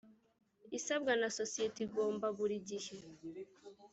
isabwa na sosiyete igomba buri gihe.